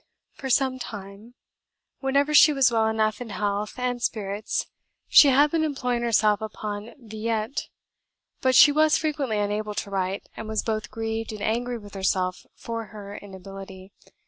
For some time, whenever she was well enough in health and spirits, she had been employing herself upon Villette; but she was frequently unable to write, and was both grieved and angry with herself for her inability.